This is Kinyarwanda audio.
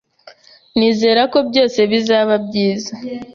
Nizera ko byose bizaba byiza.